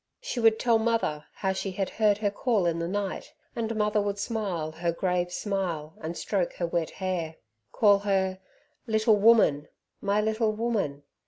She would tell mother how she had heard her call in the night, and mother would smile a grave smile and stroke her wet hair, call her "Little woman! My little woman!"